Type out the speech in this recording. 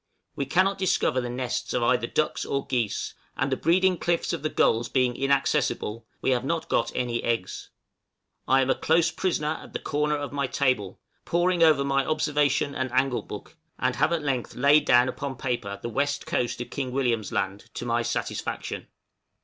We cannot discover the nests of either ducks or geese, and the breeding cliffs of the gulls being inaccessible, we have not got any eggs. I am a close prisoner at the corner of my table, poring over my observation and angle book, and have at length laid down upon paper the west coast of King William's Land to my satisfaction.